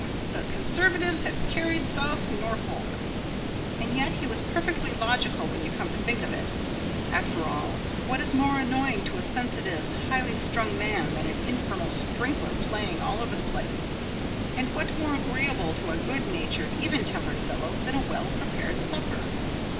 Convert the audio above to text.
the Conservatives have carried South Norfolk." And yet he was perfectly logical, when you come to think of it. After all, what is more annoying to a sensitive, highly strung man than an infernal sprinkler playing all over the place, and what more agreeable to a good natured, even tempered fellow than a well prepared supper?